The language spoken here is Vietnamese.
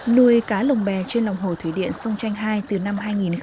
nuôi cá lồng bè trên lòng hồ thủy điện sông chanh hai từ năm hai nghìn một mươi